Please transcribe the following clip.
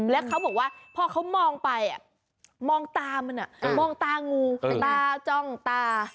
แล้วเขาบอกว่าพอเขามองไปมองตามันมองตางูตาจ้องตา